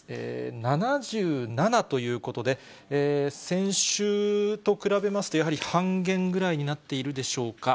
７７ということで、先週と比べますと、やはり半減ぐらいになっているでしょうか。